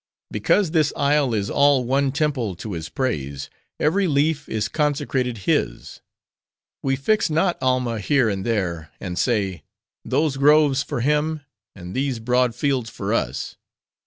"Because this isle is all one temple to his praise; every leaf is consecrated his. We fix not Alma here and there; and say,—'those groves for Him, and these broad fields for us.